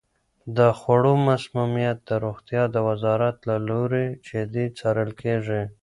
د خوړو مسمومیت د روغتیا د وزارت له لوري جدي څارل کیږي.